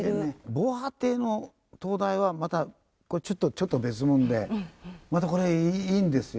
防波堤の灯台はまたこれちょっと別物でまたこれいいんですよ。